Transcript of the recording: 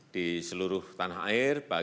di seluruh tanah air